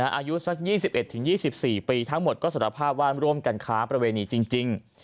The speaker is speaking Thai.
อายุสัก๒๑๒๔ปีทั้งหมดก็สารภาพว่าร่วมกันค้าประเวณีจริง